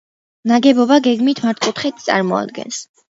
ნაგებობა გეგმით მართკუთხედს წარმოადგენს.